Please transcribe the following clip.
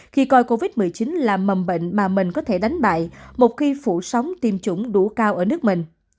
khi coi covid một mươi chín là mầm bệnh mà mình có thể đánh bại một khi phủ sóng tiêm chủng đủ cao ở nước mình